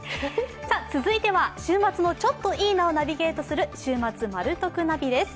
続いては、週末のちょっといいなをナビゲートする「週末マル得ナビ」です。